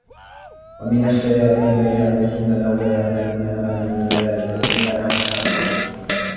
وَمِنَ الشَّيَاطِينِ مَنْ يَغُوصُونَ لَهُ وَيَعْمَلُونَ عَمَلًا دُونَ ذَلِكَ وَكُنَّا لَهُمْ حَافِظِينَ